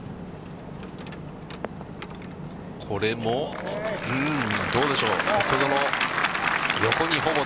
これも、うーん、どうでしょう？